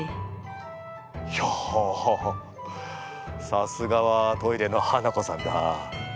さすがはトイレのハナコさんだ。